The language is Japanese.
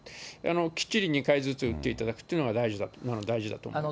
きっちり２回ずつ打っていただくというのが大事だと思います。